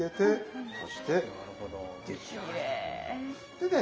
でね